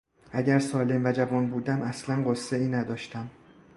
اگر سالم و جوان بودم اصلا غصهای نداشتم.